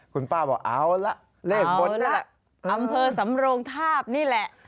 คุณป้าบอกเอาละเลขบนนี่แหละอำเภอสำโรงทาบนี่แหละ